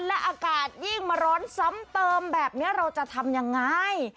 และอากาศยิ่งมาร้อนซ้ำเติมแบบนี้เราจะทำยังไง